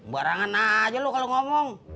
barangan aja lu kalau ngomong